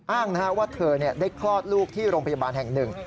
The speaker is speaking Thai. อ้างว่าเธอได้คลอดลูกที่โรงพยาบาลแห่งหนึ่ง